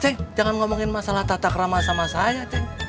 teng jangan ngomongin masalah tatakrama sama saya teng